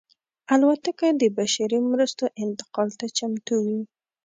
الوتکه د بشري مرستو انتقال ته چمتو وي.